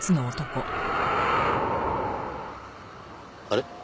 あれ？